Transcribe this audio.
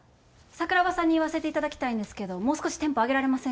桜庭さんに言わせていただきたいんですけどもう少しテンポ上げられませんか？